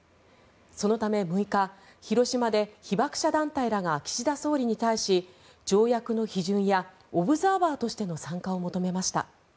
そのため６日、広島で被爆者団体らが岸田総理に対し条約の批准やオブザーバーとしての参加を求めました。